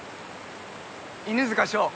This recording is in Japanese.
犬塚翔